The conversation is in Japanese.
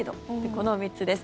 この３つです。